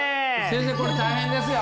先生これ大変ですよ。